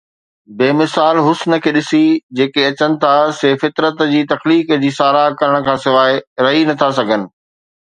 بي مثال حسن کي ڏسي، جيڪي اچن ٿا سي فطرت جي تخليق جي ساراهه ڪرڻ کان سواءِ رهي نٿا سگهن.